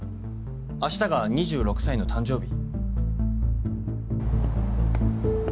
あしたが２６歳の誕生日。